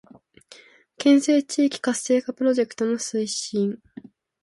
県西地域活性化プロジェクトの推進